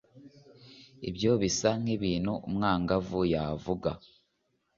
Ibyo bisa nkikintu umwangavu yavuga.